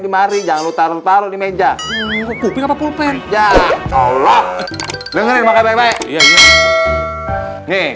dimari jangan lutar lutar di meja kuping apa pulpen ya allah dengerin baik baik nih